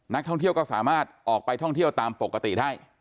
นักท่องเที่ยวก็สามารถออกไปท่องเที่ยวตามปกติได้